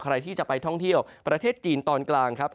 ใครที่จะไปท่องเที่ยวประเทศจีนตอนกลางครับ